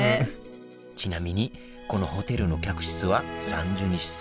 ちなみにこのホテルの客室は３２室。